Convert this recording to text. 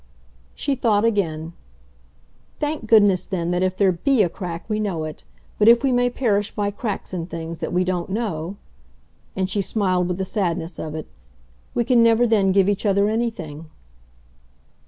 She thought again. "Thank goodness then that if there BE a crack we know it! But if we may perish by cracks in things that we don't know !" And she smiled with the sadness of it. "We can never then give each other anything."